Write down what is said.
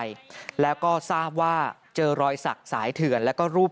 หลังจากพบศพผู้หญิงปริศนาตายตรงนี้ครับ